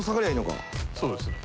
そうですね。